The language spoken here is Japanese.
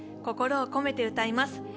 心を込めて歌います